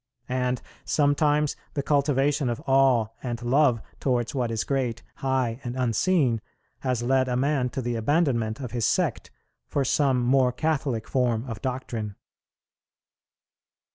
And sometimes the cultivation of awe and love towards what is great, high, and unseen, has led a man to the abandonment of his sect for some more Catholic form of doctrine.